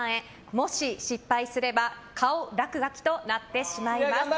もし失敗すれば顔落書きとなってしまいます。